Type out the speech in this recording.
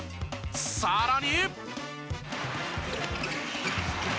さらに。